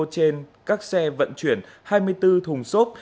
trên các xe vận chuyển hai mươi bốn thùng xốp